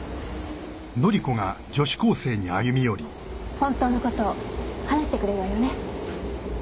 本当のことを話してくれるわよね？